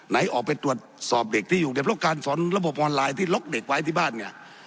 ไหนออกไปตรวจสอบเด็กที่อยู่ในเพราะการสอนระบบออนไลน์ที่ล็อกเด็กไว้ที่บ้านเนี่ย